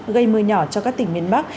gây mưa nhỏ cho các tỉnh miền bắc